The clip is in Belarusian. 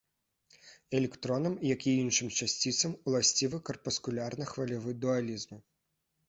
Электронам, як і іншым часціцам, уласцівы карпускулярна-хвалевы дуалізм.